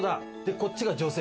こっちが女性。